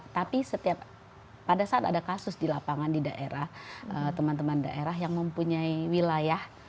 tapi pada saat ada kasus di lapangan di daerah teman teman daerah yang mempunyai wilayah